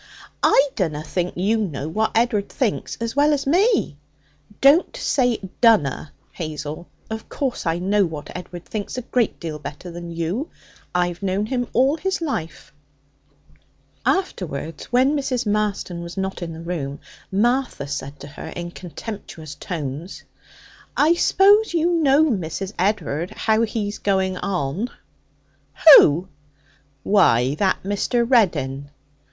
'I dunna think you know what Ed'ard thinks as well as me.' 'Don't say "dunna," Hazel. Of course, I know what Edward thinks a great deal better than you. I've known him all his life.' Afterwards, when Mrs. Marston was not in the room, Martha said in her contemptuous tones: 'I s'pose you know, Mrs. Ed'ard, how he's going on?' 'Who?' 'Why, that Mr. Reddin.'